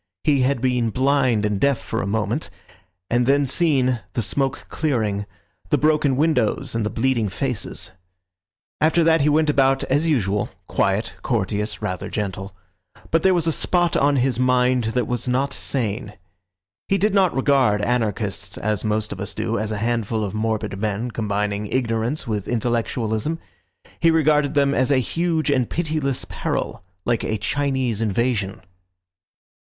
He had been blind and deaf for a moment, and then seen, the smoke clearing, the broken windows and the bleeding faces. After that he went about as usual—quiet, courteous, rather gentle; but there was a spot on his mind that was not sane. He did not regard anarchists, as most of us do, as a handful of morbid men, combining ignorance with intellectualism. He regarded them as a huge and pitiless peril, like a Chinese invasion.